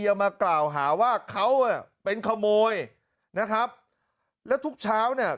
ยังมากล่าวหาว่าเขาอ่ะเป็นขโมยนะครับแล้วทุกเช้าเนี่ย